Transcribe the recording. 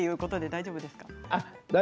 大丈夫です。